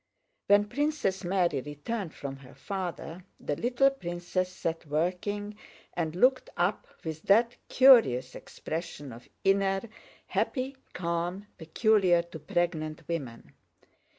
When Princess Mary returned from her father, the little princess sat working and looked up with that curious expression of inner, happy calm peculiar to pregnant women.